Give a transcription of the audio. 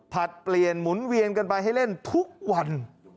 เปลี่ยนหมุนเวียนกันไปให้เล่นทุกวัน